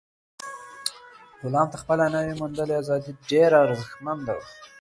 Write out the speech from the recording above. غلام ته خپله نوي موندلې ازادي ډېره ارزښتمنه وه.